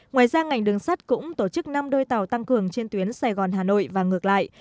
ngoài ra ngành đường sắt cũng tổ chức năm đôi tàu tăng cường trên tuyến sài gòn hà nội và ngược lại